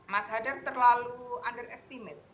mas hadar terlalu underestimate